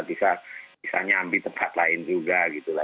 bisa nyambi tempat lain juga